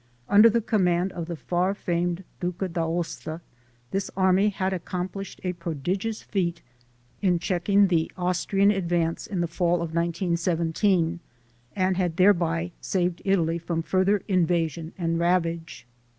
Under the command of the far famed Duca d'Aosta, this army had accomplished a prodigious feat in checking the Austrian advance in the fall of [315J 316 THE SOUL OF AN IMMIGRANT 1917, and had thereby saved Italy from further in vasion and ravage.